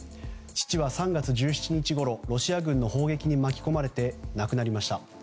父は３月１７日ごろロシア軍の砲撃に巻き込まれて亡くなりました。